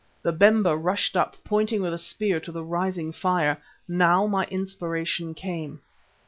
Babemba rushed up, pointing with a spear to the rising fire. Now my inspiration came.